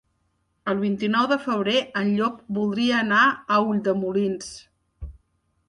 El vint-i-nou de febrer en Llop voldria anar a Ulldemolins.